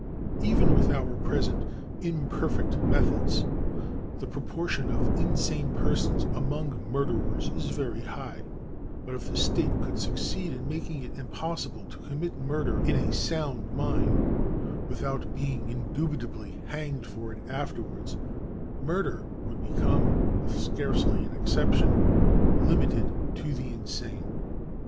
Even with our present imperfect methods the proportion of insane persons among murderers is very high ; but if the state could succeed in making it impossible to commit murder in a sound mind without being indubitably hanged for it afterwards, murder would become, with scarcely an exception, limited to the insane.